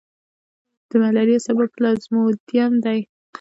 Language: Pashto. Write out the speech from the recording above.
د ملیریا سبب پلازموډیم دی.